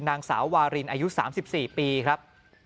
นางสาววารินอายุ๓๔ปีครับ